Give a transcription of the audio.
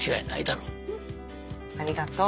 ありがとう。